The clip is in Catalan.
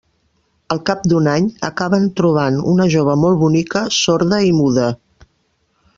Al cap d'un any, acaben trobant una jove molt bonica, sorda i muda.